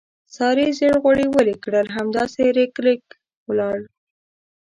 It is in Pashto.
سارې زېړ غوړي ویلې کړل، همداسې رېګ رېګ ولاړل.